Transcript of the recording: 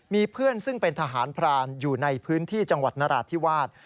มีเพื่อนซึ่งเป็นทหารพรานอยู่ในพื้นที่จังหวัดนราธิวาส